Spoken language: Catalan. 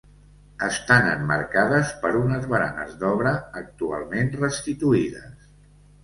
Estan emmarcades per unes baranes d'obra actualment restituïdes.